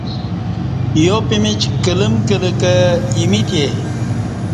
یوپمیچ کلم کلہ کہ ایمّی تے